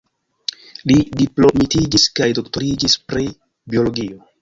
Li diplomitiĝis kaj doktoriĝis pri biologio.